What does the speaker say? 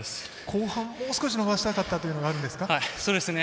後半、もう少し伸ばしたかったというのがあるんですか？